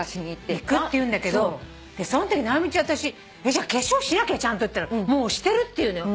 行くって言うんだけどそのとき直美ちゃんに私化粧しなきゃちゃんとって言ったらもうしてるって言うのよ。